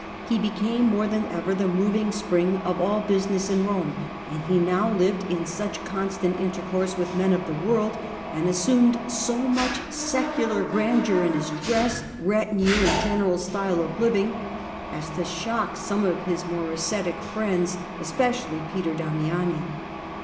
He became more than ever the moving spring of all HUdebnind busiucss in Bomo ; and he now lived in such deacon ' constant intercourse with men of the world, and assumed so much secular grandeur in his dress, retinue, and general style of living, as to shock some of his more ascetic friends, especially Peter Damiani.